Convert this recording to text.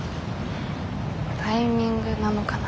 タイミングなのかな。